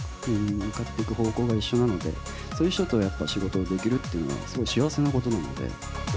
向かっていく方向が一緒なので、そういう人と仕事ができるっていうのは、すごい幸せなことなので。